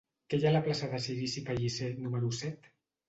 Què hi ha a la plaça de Cirici Pellicer número set?